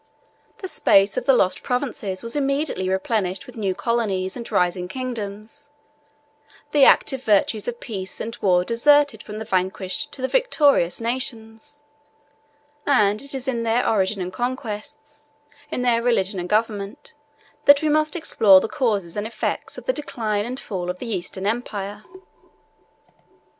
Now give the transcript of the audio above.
The space of the lost provinces was immediately replenished with new colonies and rising kingdoms: the active virtues of peace and war deserted from the vanquished to the victorious nations; and it is in their origin and conquests, in their religion and government, that we must explore the causes and effects of the decline and fall of the Eastern empire.